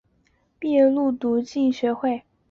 于嘉诺撒圣玛利书院毕业后入读香港浸会学院。